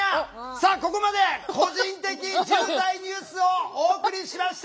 さあここまで「個人的重大ニュース」をお送りしました！